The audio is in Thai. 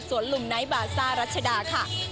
ส่วนลุมไนท์บาซ่ารัชดาค่ะ